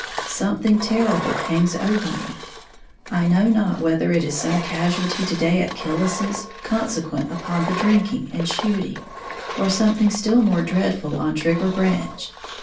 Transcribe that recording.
Something terrible hangs over me, I know not whether it is some casualty to day at Killis's, consequent upon the drinking and shooting, or something still more dreadful on Trigger Branch.